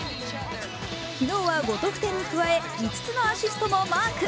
昨日は５得点に加え、５つのアシストもマーク。